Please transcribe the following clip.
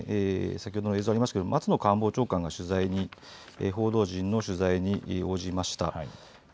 先ほどの映像ににもありましたが松野官房長官が取材に報道陣の取材に応じました。